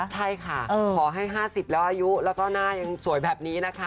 ใช่ค่ะขอให้๕๐แล้วอายุแล้วก็หน้ายังสวยแบบนี้นะคะ